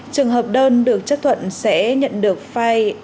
trường hợp đơn được chấp thuận sẽ nhận được file fpdf của giấy đề nghị hỗ trợ